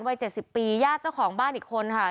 วัย๗๐ปีญาติเจ้าของบ้านอีกคนค่ะ